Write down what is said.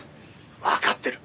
「わかってる。